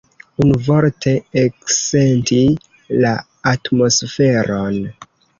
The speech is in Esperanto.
Unuvorte, eksenti la atmosferon.